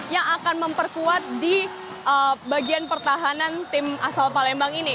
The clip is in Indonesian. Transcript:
yang akan memperkuat di bagian pertahanan tim asal palembang ini